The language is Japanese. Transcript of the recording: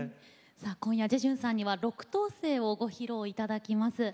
今夜ジェジュンさんには「六等星」をご披露いただきます。